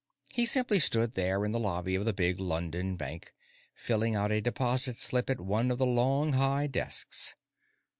He simply stood there in the lobby of the big London bank, filling out a deposit slip at one of the long, high desks.